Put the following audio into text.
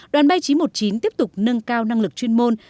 đoàn bay chín trăm một mươi chín tiếp tục nâng cao năng lực chuyên môn